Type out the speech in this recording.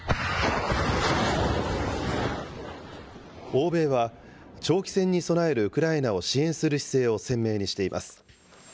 欧米は、長期戦に備えるウクライナを支援する姿勢を鮮明にしています。